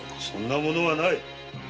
そんなものはない。